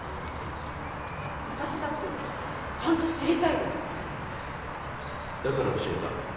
私だってちゃんと知りたいですだから教えた。